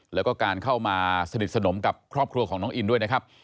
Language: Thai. แล้วก็การเข้ามาสนิทสนมกับครอบครัวของน้องอินด้วยนะครับ